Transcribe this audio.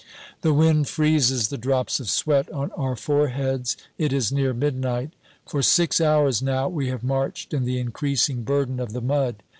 The wind freezes the drops of sweat on our foreheads. It is near midnight. For six hours now we have marched in the increasing burden of the mud.